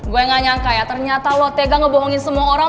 gue gak nyangka ya ternyata lo tega ngebohongin semua orang